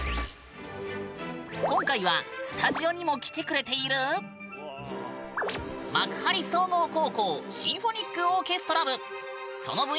今回はスタジオにも来てくれている幕張総合高校シンフォニックオーケストラ部。